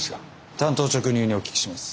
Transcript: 単刀直入にお聞きします。